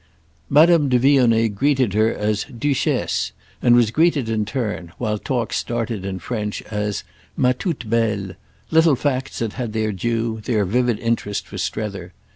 Madame de Vionnet greeted her as "Duchesse" and was greeted in turn, while talk started in French, as "Ma toute belle"; little facts that had their due, their vivid interest for Strether.